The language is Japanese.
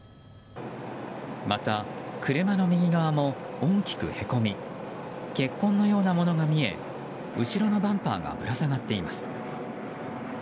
また、車の右側も大きくへこみ血痕のようなものが見え、後ろのバンパーがぶら下がっています。